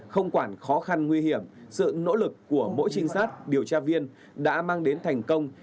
không quản khó khăn nguy hiểm sự nỗ lực của mỗi trinh sát điều tra viên đã mang đến thành công